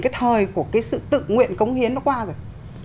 cái thời của cái sự tự nguyện cống hiến nó qua rồi